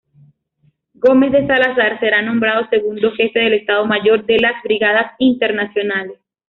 Gómez de Salazar será nombrado segundo jefe del Estado Mayor de las Brigadas Internacionales.